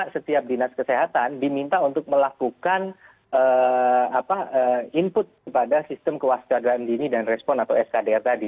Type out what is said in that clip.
setiap dinas kesehatan diminta untuk melakukan input pada sistem kewascaraan dini dan respon atau skdr tadi